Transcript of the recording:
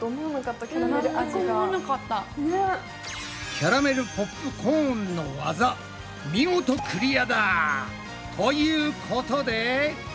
キャラメルポップコーンのワザ見事クリアだ！ということで。